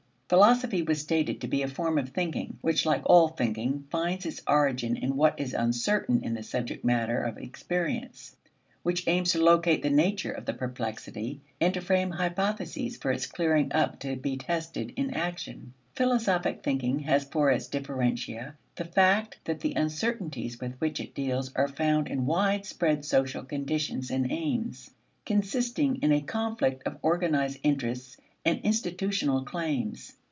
Philosophy was stated to be a form of thinking, which, like all thinking, finds its origin in what is uncertain in the subject matter of experience, which aims to locate the nature of the perplexity and to frame hypotheses for its clearing up to be tested in action. Philosophic thinking has for its differentia the fact that the uncertainties with which it deals are found in widespread social conditions and aims, consisting in a conflict of organized interests and institutional claims.